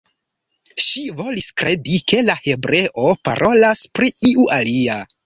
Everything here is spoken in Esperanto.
Ŝi volis kredi, ke la hebreo parolas pri iu alia.